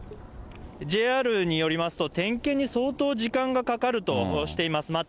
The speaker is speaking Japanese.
ＪＲによりますと、点検に相当時間がかかるとしています。